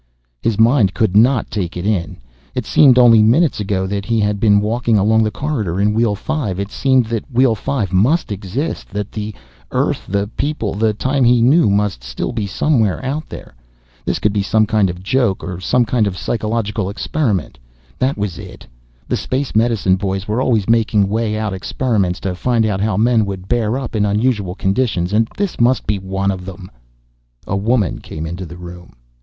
His mind could not take it in. It seemed only minutes ago that he had been walking along the corridor in Wheel Five. It seemed that Wheel Five must exist, that the Earth, the people, the time he knew, must still be somewhere out there. This could be some kind of a joke, or some kind of psychological experiment. That was it the space medicine boys were always making way out experiments to find out how men would bear up in unusual conditions, and this must be one of them A woman came into the room.